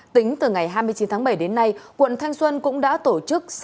tính từ ngày hai mươi chín tháng bảy đến nay quận thanh xuân cũng đã tổ chức